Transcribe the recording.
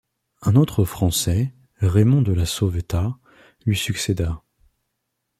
Un autre Français, Raymond de La Sauvetat, lui succéda.